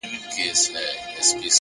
سترگي لكه دوې ډېوې،